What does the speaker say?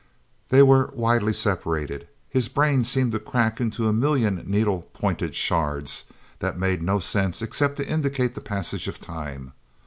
They were widely separated. His brain seemed to crack into a million needle pointed shards, that made no sense except to indicate the passage of time.